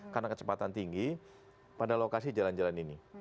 karena kecepatan tinggi pada lokasi jalan jalan ini